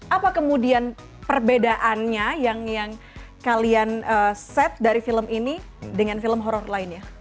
apa kemudian perbedaannya yang kalian set dari film ini dengan film horror lainnya